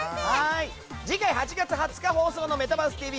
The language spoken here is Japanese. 次回８月２０日放送の「メタバースＴＶ！！」